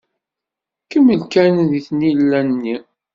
Kemmel kan deg tnila-nni.